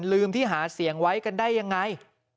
ลืมที่หาเสียงไว้กันได้ยังไง